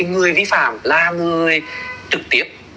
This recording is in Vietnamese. người vi phạm là người trực tiếp